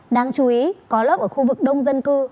đáng chú ý có lớp ở khu vực đông dân cư